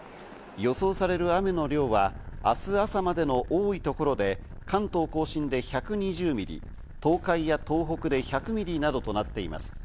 予想される雨の量は明日朝までの多い所で関東甲信で１２０ミリ、東海や東北で１００ミリなどとなっています。